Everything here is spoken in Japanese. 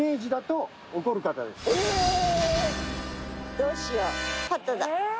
どうしよう。